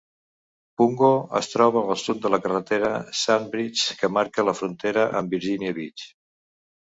Pungo es troba al sud de la carretera Sandbridge, que marca la frontera amb Virginia Beach.